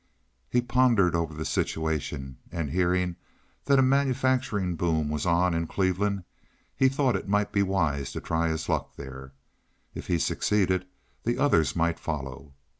He pondered over the situation, and hearing that a manufacturing boom was on in Cleveland, he thought it might be wise to try his luck there. If he succeeded, the others might follow.